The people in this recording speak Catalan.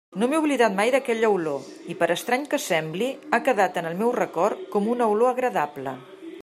No m'he oblidat mai d'aquella olor, i per estrany que sembli, ha quedat en el meu record com una olor agradable.